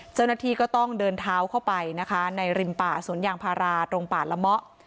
เจ้าหน้าที่ก็ต้องเดินเท้าเข้าไปนะคะในริมป่าสวนยางพาราตรงป่าละเมาะ